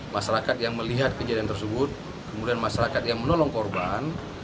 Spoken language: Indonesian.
masyarakat yang melihat kejadian tersebut kemudian masyarakat yang menolong korban